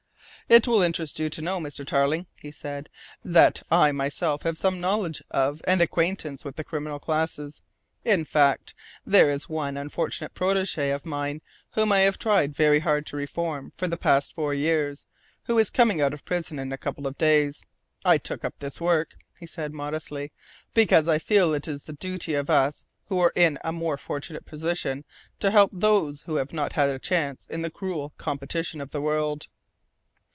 "It will interest you to know, Mr. Tarling," he said, "that I myself have some knowledge of and acquaintance with the criminal classes. In fact, there is one unfortunate protégé of mine whom I have tried very hard to reform for the past four years, who is coming out of prison in a couple of days. I took up this work," he said modestly, "because I feel it is the duty of us who are in a more fortunate position, to help those who have not had a chance in the cruel competition of the world."